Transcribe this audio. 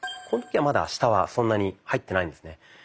この時はまだ下はそんなに入ってないんですね。